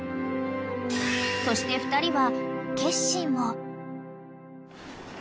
［そして２人は］